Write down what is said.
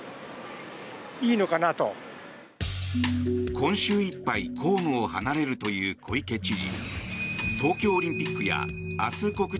今週いっぱい公務を離れるという小池知事。